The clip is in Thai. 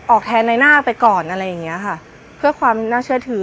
แทนในหน้าไปก่อนอะไรอย่างเงี้ยค่ะเพื่อความน่าเชื่อถือ